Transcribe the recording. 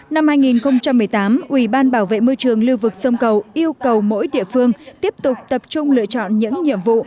năm hai nghìn một mươi tám ủy ban bảo vệ môi trường lưu vực sông cầu yêu cầu mỗi địa phương tiếp tục tập trung lựa chọn những nhiệm vụ